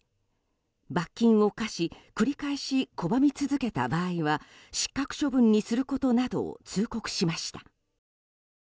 罰金を科し繰り返し拒み続けた場合は失格処分にすることなどを通告しました。